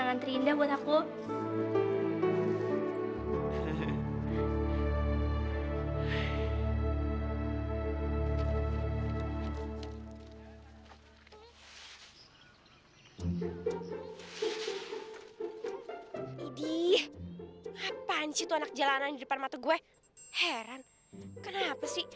nggak muncul bagaimana